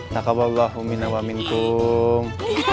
naka babah uminah wa amin kung